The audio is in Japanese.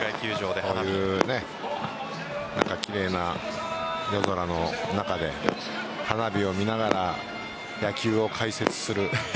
こういう奇麗な夜空の中で花火を見ながら野球を解説する。